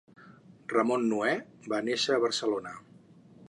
Ramon Noè va néixer a Barcelona.